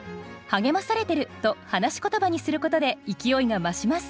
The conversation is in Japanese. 「励まされてる」と話し言葉にすることで勢いが増します。